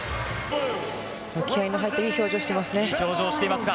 気合いの入った、いい表情していますが。